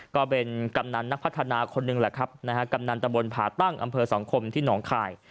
ก็เป็นกำนันนักพัฒนาคนหนึ่งแหละครับนะฮะกำนันตะบนผ่าตั้งอำเภอสังคมที่หนองคาย